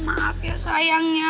maaf ya sayangnya